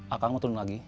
akangu turun lagi